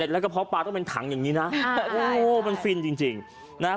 และกระเพาะปลาต้องเป็นถังอย่างนี้นะ